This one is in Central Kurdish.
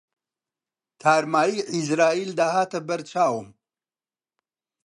تارماییی عیزراییل دەهاتە بەر چاوم